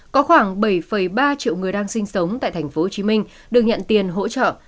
có khoảng bảy ba triệu người đang sinh sống tại tp hcm được nhận tiền hỗ trợ